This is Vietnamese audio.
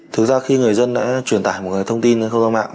thực ra khi người dân đã truyền tải một thông tin không gian mạng